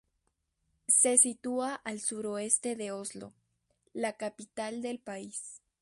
Se sitúa al suroeste de Oslo, la capital del país.